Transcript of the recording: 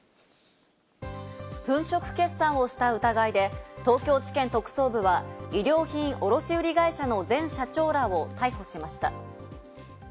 粉飾決算をした疑いで東京地検特捜部は衣料品卸売会社の前社長らを逮捕しました。